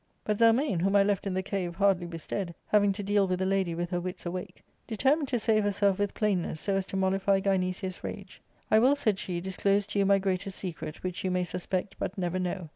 But Zelmane, whom I left in the cave hardly bestead, having to deal with a lady with her wits awake, determined to save herself with plainness, so as to mollify Gynecia*s rage. " I will," said she, '* disclose to you my greatest secret, which you may suspect, but never know.